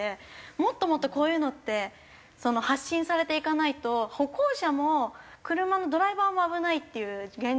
もっともっとこういうのって発信されていかないと歩行者も車もドライバーも危ないっていう現状ではありますよね。